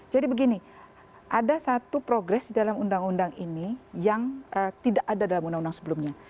jadi begini ada satu progress dalam undang undang ini yang tidak ada dalam undang undang sebelumnya